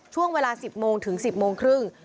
ช่วงเวลา๑๐โมงถึง๑๐โมงครึ่ง